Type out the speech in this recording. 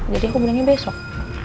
jadi aku bilangnya besok